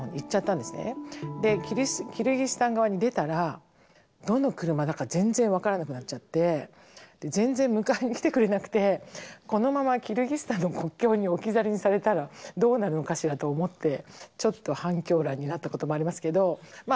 キルギスタン側に出たらどの車だか全然分からなくなっちゃって全然迎えに来てくれなくてこのままキルギスタンの国境に置き去りにされたらどうなるのかしらと思ってちょっと半狂乱になったこともありますけどま